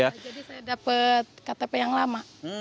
jadi saya dapat ktp yang lama